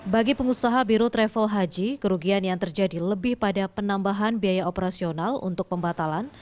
bagi pengusaha biro travel haji kerugian yang terjadi lebih pada penambahan biaya operasional untuk pembatalan